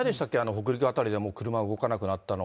北陸辺りでもう車、動かなくなったの。